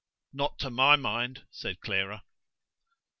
"Not to my mind," said Clara.